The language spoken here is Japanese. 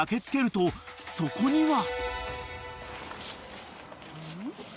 ［そこには］